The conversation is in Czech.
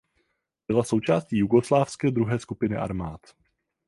Byla součástí jugoslávské druhé skupiny armád.